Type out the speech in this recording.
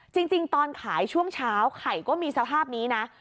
จริงตอนขายช่วงเช้าไข่ก็มีสภาพนี้นะ